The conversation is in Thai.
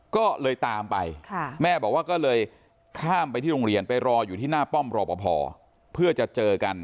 ก็เลยตามไปแม่บอกว่าก็เลยข้ามไปที่โรงเรียนไปรออยู่ที่หน้าป้อมรอปภเพื่อจะเจอกัน